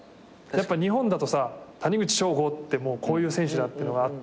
日本だとさ谷口彰悟ってこういう選手だっていうのがあって。